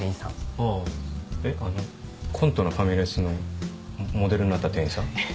あぁえっあのコントの「ファミレス」のモデルになった店員さん？